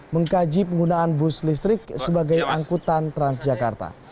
mengkaji penggunaan bus listrik sebagai angkutan transjakarta